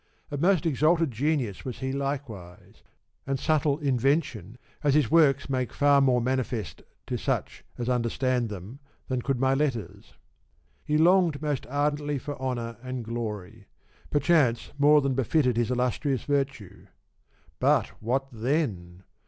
Of most exalted genius was he likewise, and subtle invention, as his works make far more manifest to such as understand than could my letters. He longed most ardently for %y honour and glor^'; perchance more than befitted his illustrious virtue. But what then